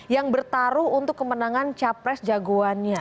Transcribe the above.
yang bertaruh untuk kemenangan capres jagoannya